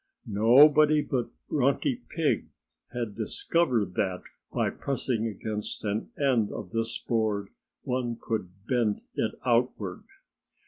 Nobody but Grunty Pig had discovered that by pressing against an end of this board one could bend it outward.